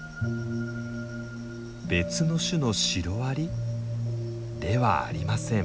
別の種のシロアリではありません。